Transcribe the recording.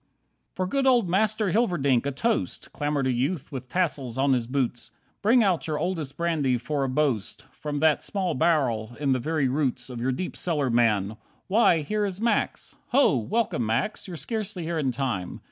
4 "For good old Master Hilverdink, a toast!" Clamoured a youth with tassels on his boots. "Bring out your oldest brandy for a boast, From that small barrel in the very roots Of your deep cellar, man. Why here is Max! Ho! Welcome, Max, you're scarcely here in time.